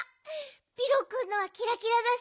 ピロくんのはキラキラだし